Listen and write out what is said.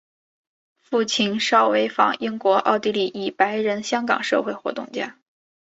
父亲邵维钫英国奥地利裔白人香港社会活动家。